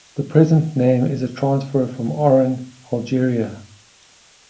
The present name is a transfer from Oran, Algeria.